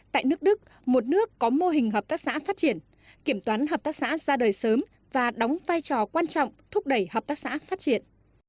tại nước đức một nước có mô hình hợp tác xã phát triển kiểm toán hợp tác xã ra đời sớm và đóng vai trò quan trọng thúc đẩy hợp tác xã phát triển